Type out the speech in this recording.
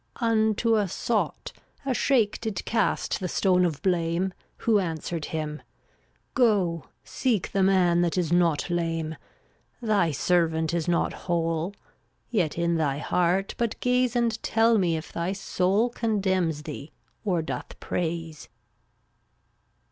330 Unto a sot a shiekh Did cast the stone of blame, Who answered him: "Go seek The man that is not lame; Thy servant is not whole; Yet in thy heart but gaze And tell me if thy soul Condemns thee or doth praise."